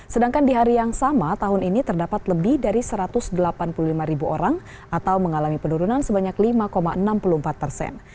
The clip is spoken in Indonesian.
sedangkan di hari yang sama tahun ini terdapat lebih dari satu ratus delapan puluh lima ribu orang atau mengalami penurunan sebanyak lima enam puluh empat persen